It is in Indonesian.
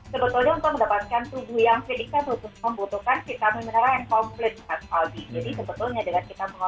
sebetulnya untuk mendapatkan tubuh yang fit